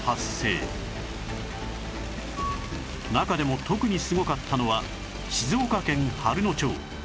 中でも特にすごかったのは静岡県春野町